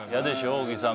小木さん。